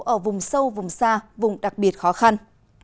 ở vùng sâu vùng xa vùng đặc biệt khó khăn